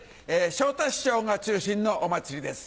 昇太師匠が中心のお祭りです。